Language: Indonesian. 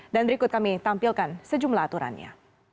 dan berikut kami tampilkan sejumlah aturannya